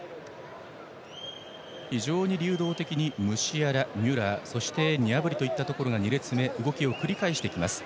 非常に流動的にムシアラ、ミュラーそしてニャブリといったところが２列目で動きを繰り返してきます。